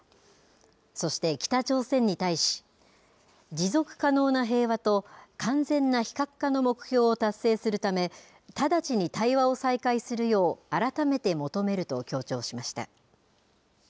そして、北朝鮮に対し、持続可能な平和と完全な非核化の目標を達成するため、直ちに対話を再開するよう改めて求めると強調しました。